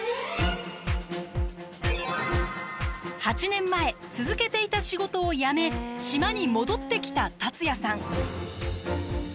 ８年前続けていた仕事をやめ島に戻ってきた達也さん。